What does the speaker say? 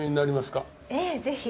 ええぜひ。